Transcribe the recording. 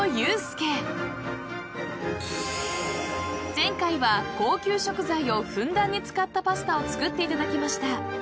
［前回は高級食材をふんだんに使ったパスタを作っていただきました］